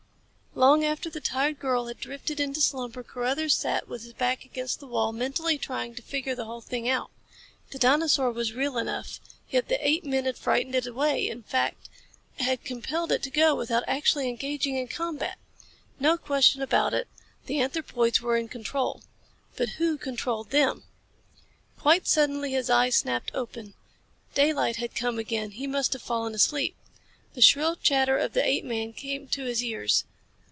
Long after the tired girl had drifted into slumber Carruthers sat with his back against the wall, mentally trying to figure the whole thing out. The dinosaur was real enough. Yet the apemen had frightened it away, in fact had compelled it to go without actually engaging in combat. No question about it. The anthropoids were in control. But who controlled them? Quite suddenly his eyes snapped open. Daylight had come again. He must have fallen asleep. The shrill chatter of the apeman came to his ears.